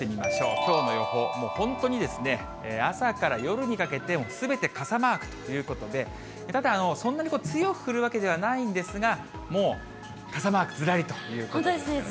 きょうの予報、本当に朝から夜にかけてすべて傘マークということで、ただ、そんなに強く降るわけではないんですが、もう傘マークずらりということですね。